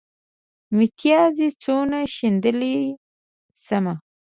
متيازې څونه شيندلی شمه.